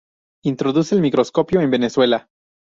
Introduce el microscopio en Venezuela.